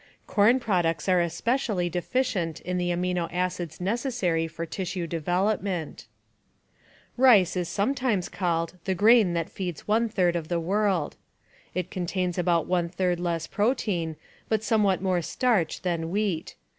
Corn products are especially deficient in the amino acids necessary for tissue development. Rice is sometimes called the grain that feeds one third of the world. It contains about one third less protein, but somewhat more starch than wheat.